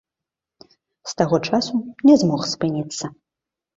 З таго часу не змог спыніцца.